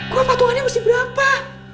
gue patungannya mesti berapa